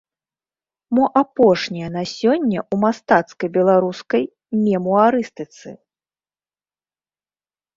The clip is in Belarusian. Мо апошняя на сёння ў мастацкай беларускай мемуарыстыцы.